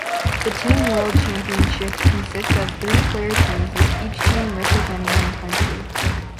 The Team World Championship consists of three-player teams, with each team representing one country.